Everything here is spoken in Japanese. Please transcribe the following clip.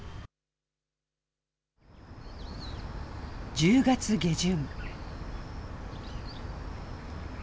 １０月下旬。